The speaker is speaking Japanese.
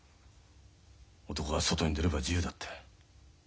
男は外に出れば自由だって。